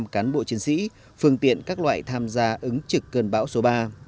cán bộ chiến sĩ phương tiện các loại tham gia ứng trực cơn bão số ba